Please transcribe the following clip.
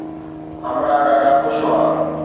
همراهه ڏاڍا خوش هئا